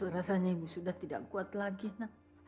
rasanya ibu sudah tidak kuat lagi nak